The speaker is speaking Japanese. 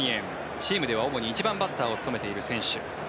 チームでは主に１番バッターを務めている選手。